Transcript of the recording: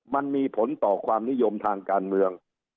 มันมีผลต่อความนิยมทางการเมือง